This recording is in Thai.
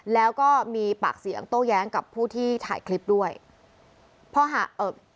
แล้วก็มีปากเสียงโต้แย้งกับผู้ที่ถ่ายคลิปด้วยพอหาเอ่อ